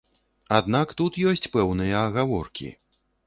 Аднак тут ёсць пэўныя агаворкі.